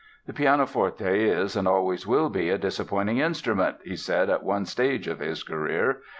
"The pianoforte is and always will be a disappointing instrument," he said at one stage of his career.